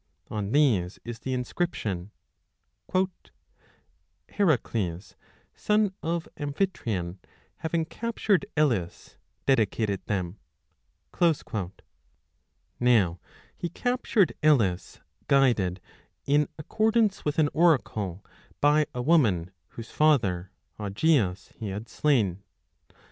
On these is the 25 inscription Heracles, son of Amphitryon, having cap tured Elis, dedicated them . Now he captured Elis guided, in accordance with an oracle, by a woman, whose father, Augeas, he had slain.